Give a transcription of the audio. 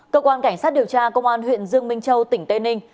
cơ quan cảnh sát điều tra công an huyện dương minh châu tỉnh tây ninh